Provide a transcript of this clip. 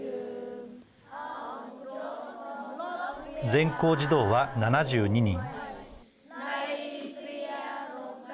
全校児童は７２人。